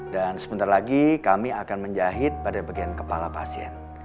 dan sebentar lagi kami akan menjahit pada bagian kepala pasien